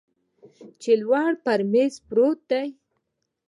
چې لوړ پر میز پروت دی